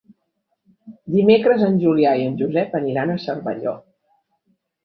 Dimecres en Julià i en Josep aniran a Cervelló.